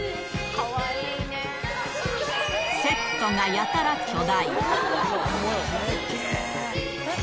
セットがやたら巨大。